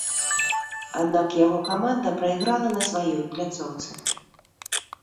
Аднак яго каманда прайграла на сваёй пляцоўцы.